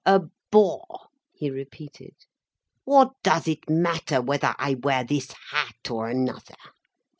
"A bore," he repeated. "What does it matter whether I wear this hat or another.